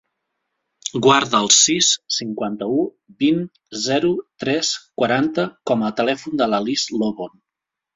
Guarda el sis, cinquanta-u, vint, zero, tres, quaranta com a telèfon de la Lis Lobon.